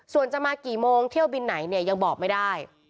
ส่วนจะมากี่โมงเที่ยวบินไหนเนี่ยยังบอกไม่ได้